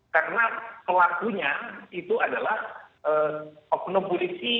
karena pelakunya itu adalah oknopulisi